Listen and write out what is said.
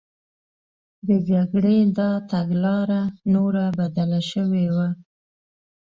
د جګړې دا تګلاره نوره بدله شوې وه